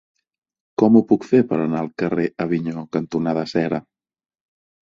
Com ho puc fer per anar al carrer Avinyó cantonada Cera?